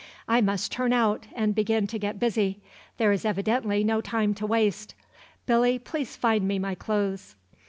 I must turn out and begin to get busy; there is evidently no time to waste. Billy, please find me my clothes."